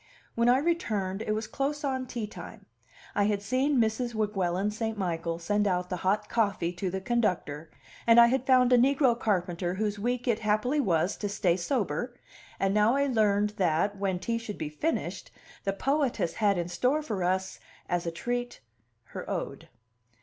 When I returned, it was close on tea time; I had seen Mrs. Weguelin St. Michael send out the hot coffee to the conductor, and I had found a negro carpenter whose week it happily was to stay sober; and now I learned that, when tea should be finished, the poetess had in store for us, as a treat, her ode.